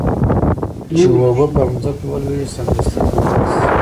چې اوبه پر مځکه ولویږي سمدستي کنګل شي.